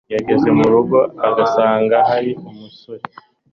yageze murugo agasanga hari umusore